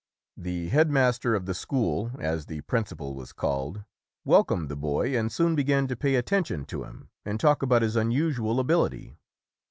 The headmaster of the school, as the principal was called, welcomed the boy and soon began to pay attention to him and talk about his unusual ability.